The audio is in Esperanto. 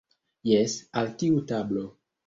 Jes, al tiu tablo.